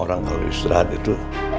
orang kalau istirahat itu